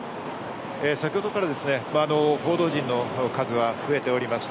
先ほどからですね、報道人の数は増えております。